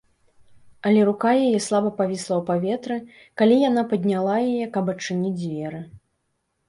Але рука яе слаба павісла ў паветры, калі яна падняла яе, каб адчыніць дзверы.